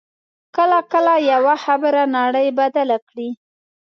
کله کله یوه خبره نړۍ بدله کړي